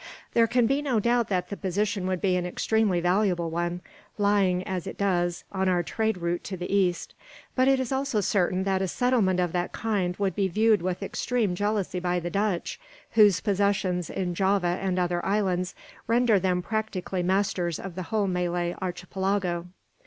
"There can be no doubt that the position would be an extremely valuable one; lying, as it does, on our trade route to the East. But it is also certain that a settlement of that kind would be viewed with extreme jealousy by the Dutch; whose possessions, in Java and other islands, render them practically masters of the whole Malay Archipelago.